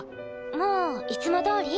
もういつもどおり？